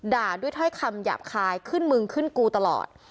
ด่าด้วยถ้อยคำหยาบคายขึ้นมึงขึ้นกูตลอด